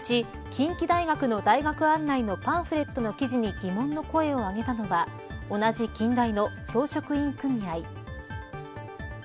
近畿大学の大学案内のパンフレットの記事に疑問の声を上げたのは同じ近大の教職員組合。